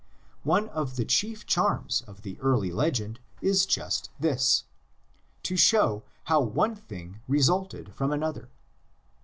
One of the chief charms of the early legend is just this: to show how one thing resulted from another.